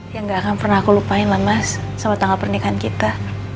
yang gak akan pernah aku lupain lah mas sama tanggal pernikahan kita